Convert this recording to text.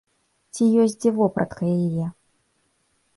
Ці ёсць дзе вопратка яе?